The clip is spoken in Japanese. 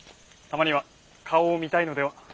たまには顔を見たいのでは？